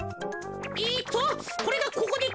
えっとこれがここでこう。